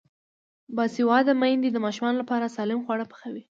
باسواده میندې د ماشومانو لپاره سالم خواړه پخوي.